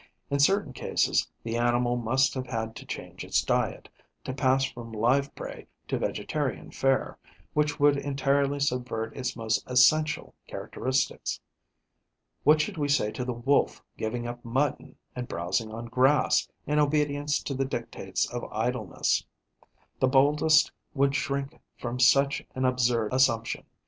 In certain cases, the animal must have had to change its diet, to pass from live prey to vegetarian fare, which would entirely subvert its most essential characteristics. What should we say to the Wolf giving up mutton and browsing on grass, in obedience to the dictates of idleness? The boldest would shrink from such an absurd assumption.